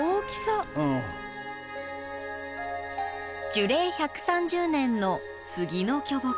樹齢１３０年の杉の巨木。